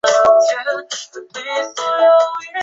此站月台上方设有全长的夹层。